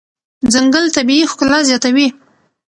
ځنګل طبیعي ښکلا زیاتوي.